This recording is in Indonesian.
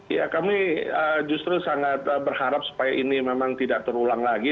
ya kami justru sangat berharap supaya ini memang tidak terulang lagi